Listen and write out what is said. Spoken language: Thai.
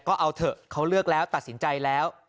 ก็เอาเถอะเขาเลือกแล้วตัดสินใจแล้ว